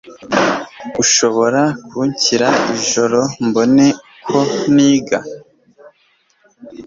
Ushobora kunshira ijoro mbone uko niga?